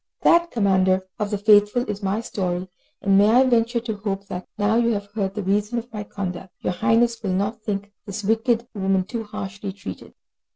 This, Commander of the Faithful, is my story, and may I venture to hope that, now you have heard the reason of my conduct, your Highness will not think this wicked woman too harshly treated?